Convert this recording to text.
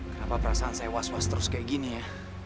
kenapa perasaan saya was was terus kayak gini ya